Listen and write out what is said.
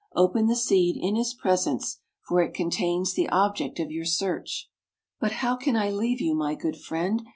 Open the seed in his presence — for it contains the object of your search." " But how can I leave you, my good friend?